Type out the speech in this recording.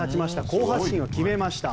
好発進を決めました。